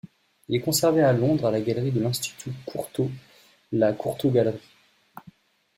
Il est conservé à Londres à la galerie de l'Institut Courtauld, la Courtauld Gallery.